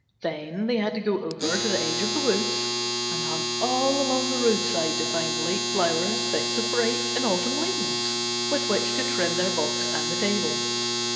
Then they had to go over to the edge of the woods and hunt all along the roadside to find late flowers, bits of brake, and autumn leaves, with which to trim their box and the table.